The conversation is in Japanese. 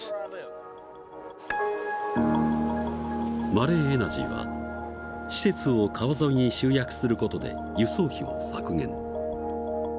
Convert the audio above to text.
マレーエナジーは施設を川沿いに集約する事で輸送費を削減。